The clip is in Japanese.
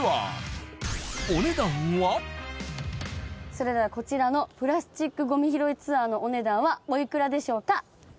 それではこちらのプラスチックゴミ拾いツアーのお値段はお幾らでしょうか？